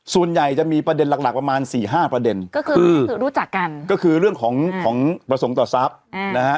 ส่วนใหญ่จะมีประเด็นหลักหลักประมาณสี่ห้าประเด็นก็คือรู้จักกันก็คือเรื่องของของประสงค์ต่อทรัพย์นะฮะ